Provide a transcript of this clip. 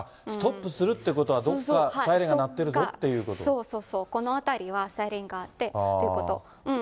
ストップするってことは、どこかサイレンが鳴ってるぞってこそうそうそう、この辺りはサイレンがあってということ。